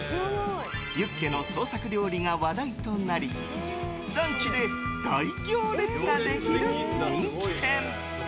ユッケの創作料理が話題となりランチで大行列ができる人気店。